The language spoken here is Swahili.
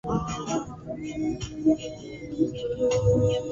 zenye mashina ishirini na nne ambayo kiasili walikuwa Bairu